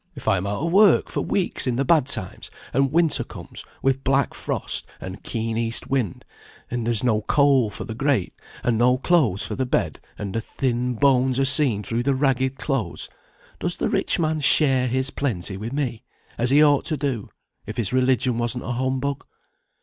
If I am out of work for weeks in the bad times, and winter comes, with black frost, and keen east wind, and there is no coal for the grate, and no clothes for the bed, and the thin bones are seen through the ragged clothes, does the rich man share his plenty with me, as he ought to do, if his religion wasn't a humbug?